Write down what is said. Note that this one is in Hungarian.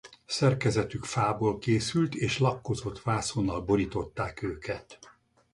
Szerkezetük fából készült és lakkozott vászonnal borították őket.